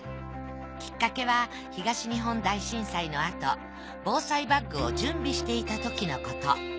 きっかけは東日本大震災のあと防災バッグを準備していたときのこと。